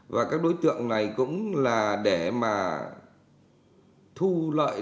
và các đối tượng này cũng là để mà thu lợi